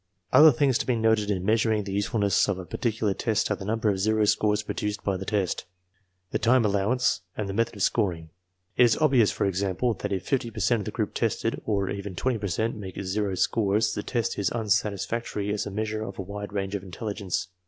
Other things to be noted in measuring the usefulness of a particular test are the number of zero scores produced by the p^y the time allowance, and the method of scoring. It is ob vious, for example, that if fifty per cent of the group tested, or I even twenty per cent, make zero scores, the test is unsatisfactory \as a measure of a wide range of intelligence.